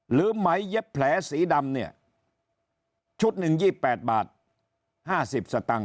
หรือไหมเย็บแผลสีดำเนี่ยชุดหนึ่ง๒๘บาท๕๐สตางค